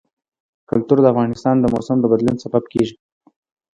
کلتور د افغانستان د موسم د بدلون سبب کېږي.